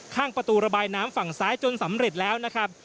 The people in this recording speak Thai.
ข้างประตูระบายน้ำฝั่งซ้ายจนสำเร็จแล้วนะครับ